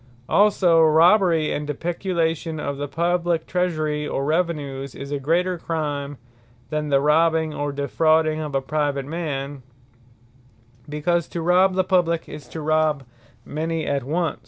Depeculation Also Robbery, and Depeculation of the Publique treasure, or Revenues, is a greater Crime, than the robbing, or defrauding of a Private man; because to robbe the publique, is to robbe many at once.